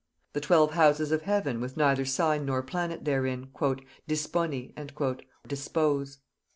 The twelve houses of heaven with neither sign nor planet therein, "Dispone" (Dispose).